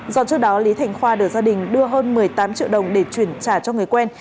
do trước đó lý thành khoa được gia đình đưa hơn một mươi tám triệu đồng để chuyển trả cho người quen